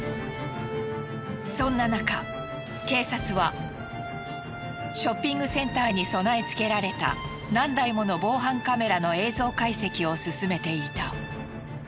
そんななか警察はショッピングセンターに備え付けられた何台もの防犯カメラの映像解析を進めていた。